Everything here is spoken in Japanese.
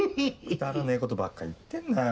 くだらねえ事ばっか言ってんなよ。